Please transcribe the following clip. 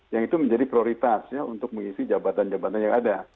yang itu menjadi prioritas untuk mengisi jabatan jabatan yang ada